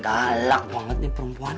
galak banget ini perempuan